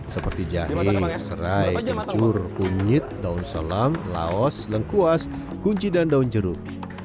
seperti jahe serai kecur unyit daun selam laos lengkuas kunci dan daun jeruk